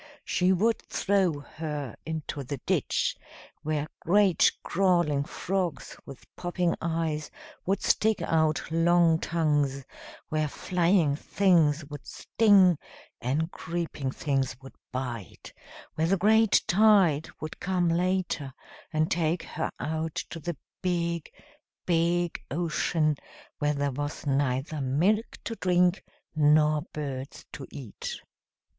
She would throw her into the ditch, where great crawling frogs with popping eyes would stick out long tongues; where flying things would sting, and creeping things would bite; where the great tide would come later and take her out to the big, big ocean, where there was neither milk to drink nor birds to eat.